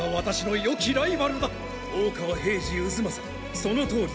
そのとおりだ。